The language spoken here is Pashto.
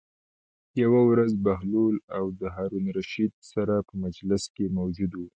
یوه ورځ بهلول د هارون الرشید سره په مجلس کې موجود و.